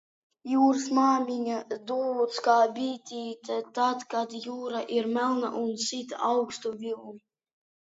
Jūras māmiņa dūc kā bitīte, tad, kad jūra ir melna un sit augstu vilni.